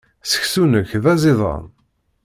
Seksu-nnek d aẓidan.